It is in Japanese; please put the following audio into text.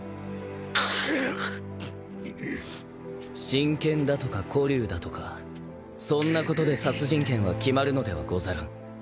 真剣だとか古流だとかそんなことで殺人剣は決まるのではござらん。